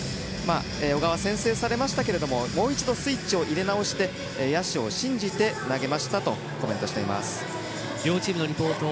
小川は先制されましたけれどももう一度スイッチを入れ直して野手を信じて投げましたとコメントしています。